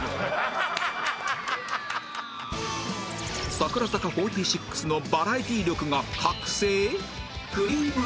櫻坂４６のバラエティ力が覚醒？